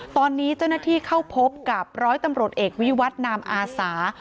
ตอนนี้เจ้าหน้าที่เข้าพบกับร้อยตำรวจเอกวิวัตนามอาสา